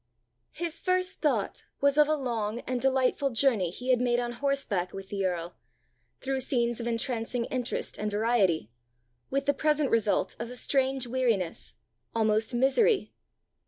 His first thought was of a long and delightful journey he had made on horseback with the earl through scenes of entrancing interest and variety, with the present result of a strange weariness, almost misery.